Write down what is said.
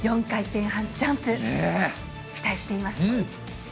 ４回転半ジャンプ、期待しています。